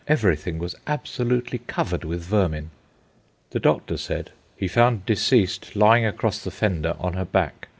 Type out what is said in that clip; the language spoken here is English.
Everything was absolutely covered with vermin." The doctor said: "He found deceased lying across the fender on her back.